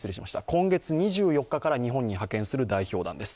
今月２４日から日本に派遣する代表団です。